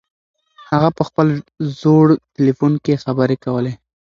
هغه په خپل زوړ تلیفون کې خبرې کولې.